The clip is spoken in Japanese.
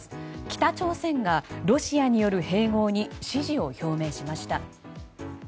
北朝鮮がロシアによる併合に支持を表明しました。